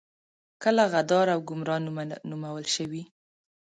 کله غدار او ګمرا نومول شوي.